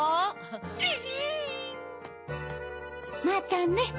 またね